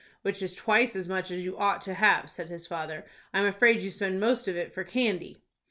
"Which is twice as much as you ought to have," said his father. "I'm afraid you spend most of it for candy."